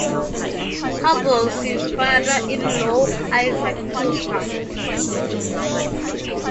Hubbell's father-in-law, Isaac Cooper.